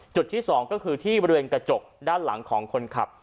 จุดที่๒ก็คือที่บริเวณกระจกด้านหลังของคนขับ